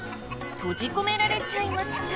閉じ込められちゃいました。